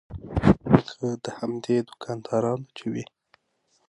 لکه د همدې دوکاندارانو چې وي.